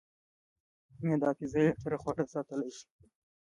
معده پنځه لیټره خواړه ساتلی شي.